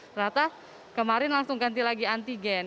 ternyata kemarin langsung ganti lagi antigen